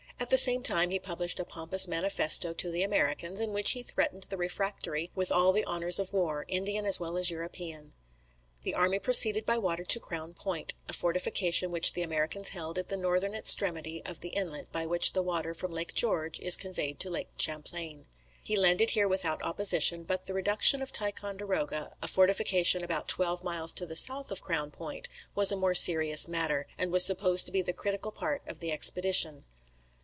At the same time he published a pompous manifesto to the Americans, in which he threatened the refractory with all the horrors of war, Indian as well as European. The army proceeded by water to Crown Point, a fortification which the Americans held at the northern extremity of the inlet by which the water from Lake George is conveyed to Lake Champlain. He landed here without opposition; but the reduction of Ticonderoga, a fortification about twelve miles to the south of Crown Point, was a more serious matter, and was supposed to be the critical part of the expedition.